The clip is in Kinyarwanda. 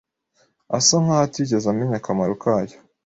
Asa nkaho atigeze amenya akamaro kayo.